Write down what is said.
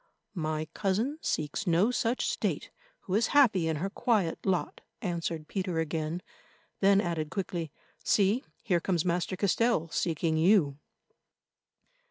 "My cousin seeks no such state who is happy in her quiet lot," answered Peter again; then added quickly, "See, here comes Master Castell seeking you."